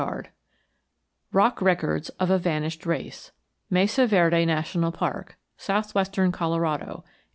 XIV ROCK RECORDS OF A VANISHED RACE MESA VERDE NATIONAL PARK, SOUTHWESTERN COLORADO.